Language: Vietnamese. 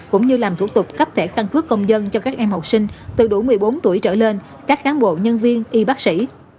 cũng như làm thủ tục cấp thẻ căn cước công dân cho các em học sinh từ đủ một mươi bốn tuổi trở lên các cán bộ nhân viên y bác sĩ